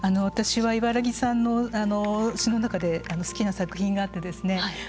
私は茨木さんの詩の中で好きな作品があってですね